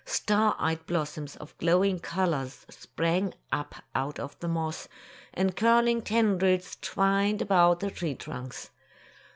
Star eyed blossoms of glowing colors sprang up out of the moss, and curl ing tendrils twined about the tree trunks.